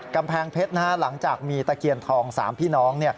กำแพงเพชรหลังจากมีตะเคียนทอง๓พี่น้อง